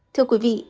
thưa quý vị